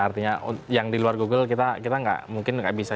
artinya yang di luar google kita mungkin nggak bisa